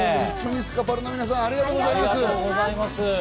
スカパラの皆さん、本当にありがとうございます。